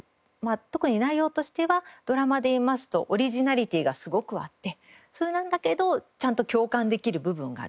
特に内容としてはドラマでいいますとオリジナリティーがすごくあってそれなんだけどちゃんと共感できる部分がある。